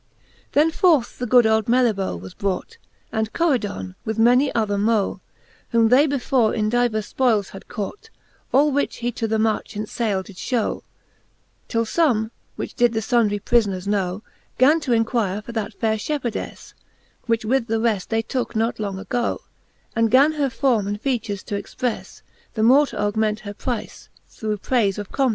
XL Then forth the good old Melibce was brought. And Coridofj, with many other moe, Whom they before in diverfe fpoyles had caught ; All which he to the marchants file did fhowe : Till fome, which did the fundry prifoners knowe, Gan to inquire for that faire fliepherdeffe, Which with the reft they tooke not long agoc, And gan her forme and feature to exprcfTe, The more t' augment her price, through praife of comlineffe.